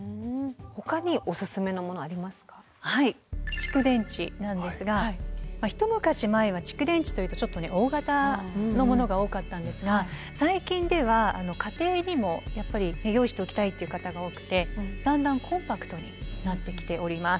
蓄電池なんですが一昔前は蓄電池というとちょっと大型のものが多かったんですが最近では家庭にもやっぱり用意しておきたいっていう方が多くてだんだんコンパクトになってきております。